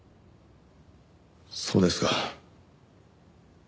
そうですか。